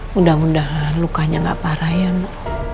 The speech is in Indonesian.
mudah mudahan lukanya gak parah ya ma